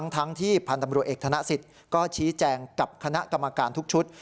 ทั้งที่พันธ์ตำรวจเอกธนสิทธิ์ก็ชี้แจงกับคณะกรรมการทุกชุด